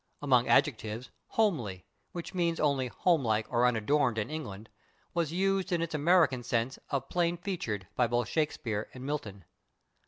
Among adjectives, /homely/, which means only homelike or unadorned in England, was used in its American sense of plain featured by both Shakespeare and Milton.